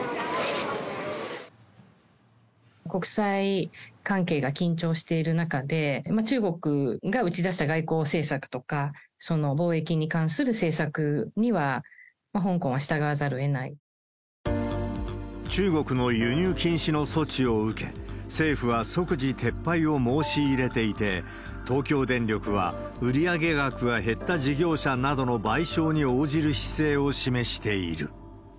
国際関係が緊張している中で、中国が打ち出した外交政策とか貿易に関する政策には、香港は従わ中国の輸入禁止の措置を受け、政府は即時撤廃を申し入れていて、東京電力は、売り上げ額が減った事業者などの賠償に応じる姿勢を示している。